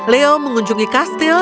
leo mengunjungi kastil